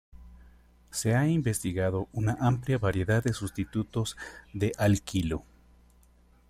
Se ha investigado una amplia variedad de sustitutos de alquilo.